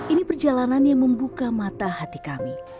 ini perjalanan yang membuka mata hati kami